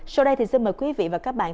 sau đây thì xin mời quý vị và các bạn